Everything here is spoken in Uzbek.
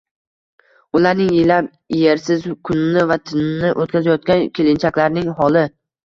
Ularning, yillab ersiz kunini va tunini o‘tkazayotgan kelinchaklarning holi